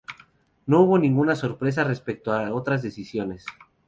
No hubo ninguna sorpresa respecto a otras ediciones.